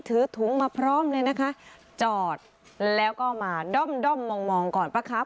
ถือถุงมาพร้อมเลยนะคะจอดแล้วก็มาด้อมด้อมมองก่อนป่ะครับ